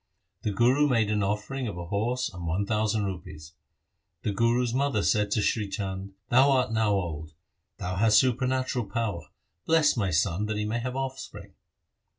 The Guru made an offering of a horse and one thousand rupees. The Guru's mother said to Sri Chand, ' Thou art now old, thou hast supernatural power, bless my son that he may have offspring.'